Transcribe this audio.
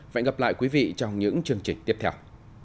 và hẹn gặp lại quý vị trong những chương trình tiếp theo